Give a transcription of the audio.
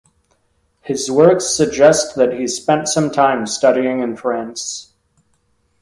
His works suggest that he spent some time studying in France.